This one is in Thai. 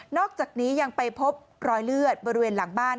อกจากนี้ยังไปพบรอยเลือดบริเวณหลังบ้าน